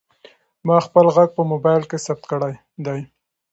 ما خپل غږ په موبایل کې ثبت کړی دی.